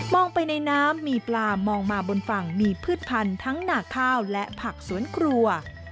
ไปในน้ำมีปลามองมาบนฝั่งมีพืชพันธุ์ทั้งหนาข้าวและผักสวนครัว